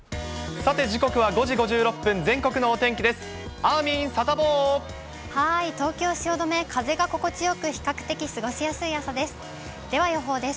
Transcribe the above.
さて、時刻は５時５６分、全国のお天気です。